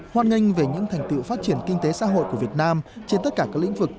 hoan nghênh về những thành tựu phát triển kinh tế xã hội của việt nam trên tất cả các lĩnh vực